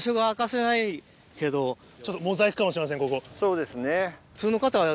そうですね。